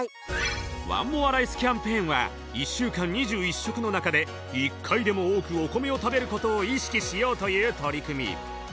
ワン・モア・ライスキャンペーンは１週間２１食の中で１回でも多くお米を食べることを意識しようという取り組み